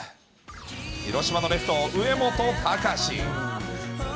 広島のレフト、上本崇司。